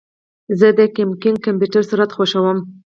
زه د ګیمنګ کمپیوټر سرعت خوښوم.